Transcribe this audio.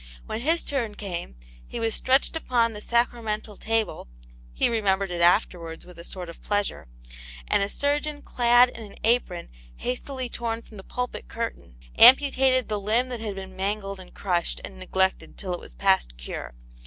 When his turn came, he was stretched upon the sacramental table (he remembered it afterwards with a sort of pleasure), and a surgeon clad in an apron hastily torn from the pulpit curtain, amputated the limb that had been mangled and crushed and neg lected till it was past cure.